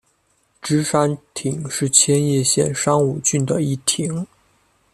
芝山町是千叶县山武郡的一町。